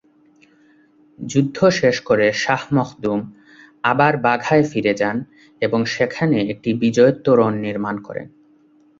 যুদ্ধ শেষ করে শাহ মখদুম আবার বাঘায় ফিরে যান এবং সেখানে একটি বিজয় তোরণ নির্মাণ করেন।